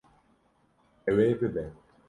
Ew ê bibe.